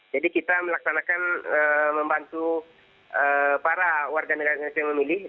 jadi kita melaksanakan membantu para warga negara indonesia yang memilih